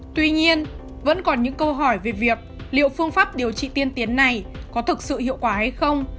tuy nhiên vẫn còn những câu hỏi về việc liệu phương pháp điều trị tiên tiến này có thực sự hiệu quả hay không